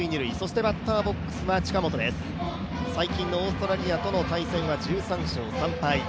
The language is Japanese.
最近のオーストラリアとの試合は、１３勝３敗。